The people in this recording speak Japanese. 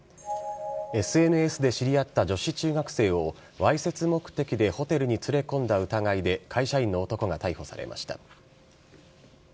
ＳＮＳで知り合った女子中学生を、わいせつ目的でホテルに連れ込んだ疑いで、会社員の男が逮捕されました。